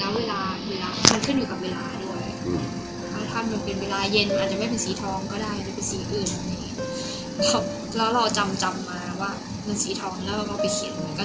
ว่ามันเป็นสีทองอยู่จริงหรือเปล่า